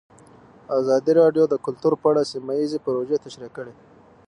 ازادي راډیو د کلتور په اړه سیمه ییزې پروژې تشریح کړې.